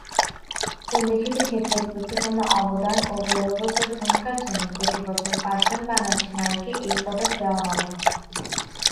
উল্লিখিত ক্ষেত্রে গুরুত্বপূর্ণ অবদান ও গৌরবোজ্জ্বল ভূমিকার জন্য প্রতি বছর পাঁচজন বাংলাদেশী নারীকে এই পদক দেওয়া হবে।